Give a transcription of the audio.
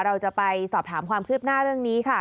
เราจะไปสอบถามความคืบหน้าเรื่องนี้ค่ะ